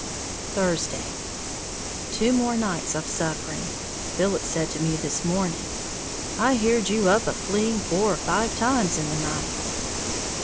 Thursday. Two more nights of suffering, Philip said to me this morning, "I heared you up a fleaing four or five times in the night."